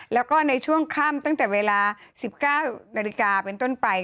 แล้วก็ในช่วงค่ำตั้งแต่เวลา๑๙นาฬิกาเป็นต้นไป